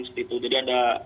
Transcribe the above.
jadi ada rusaknya